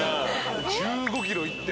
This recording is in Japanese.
１５ｋｍ行って。